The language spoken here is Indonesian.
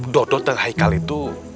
dodot dan haikal itu